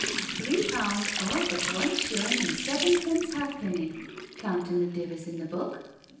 " Three pound all but one shillin' and sevenpence halfpenny, counting the divis in the book."